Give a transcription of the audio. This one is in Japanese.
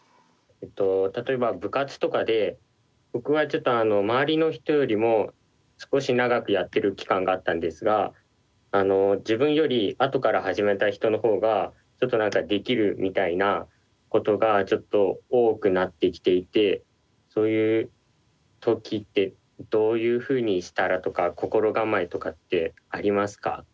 例えば部活とかで僕はちょっと周りの人よりも少し長くやってる期間があったんですが自分より後から始めた人の方ができるみたいなことがちょっと多くなってきていてそういう時ってどういうふうにしたらとか心構えとかってありますか？